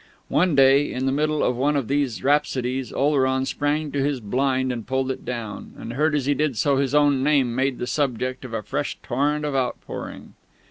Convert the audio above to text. One day, in the middle of one of these rhapsodies, Oleron sprang to his blind and pulled it down, and heard as he did so his own name made the subject of a fresh torrent of outpouring.